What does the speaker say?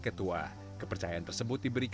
mentransformasikan segala kemampuan yang dimiliki